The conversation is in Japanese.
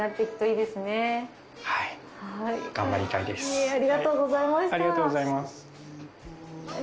いえありがとうございました。